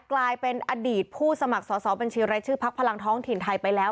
กลายเป็นอดีตผู้สมัครสอบบัญชีรายชื่อพักพลังท้องถิ่นไทยไปแล้ว